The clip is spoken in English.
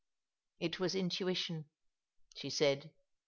" It was intuition," she said.